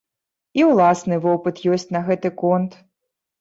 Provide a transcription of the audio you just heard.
І ўласны вопыт ёсць на гэты конт.